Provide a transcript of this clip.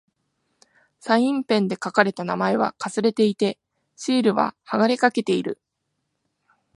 サインペンで書かれた名前は掠れていて、シールは剥がれかけている。